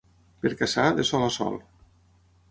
Per caçar, de sol a sol.